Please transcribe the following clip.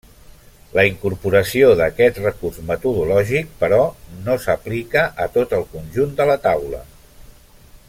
La incorporació d'aquest recurs metodològic, però, no s'aplica a tot el conjunt de la taula.